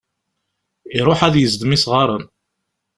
Iruḥ ad yezdem isɣaṛen.